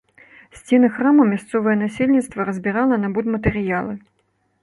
Сцены храма мясцовае насельніцтва разбірала на будматэрыялы.